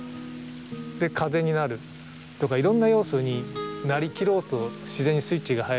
で風になるとかいろんな要素になりきろうと自然にスイッチが入るんで。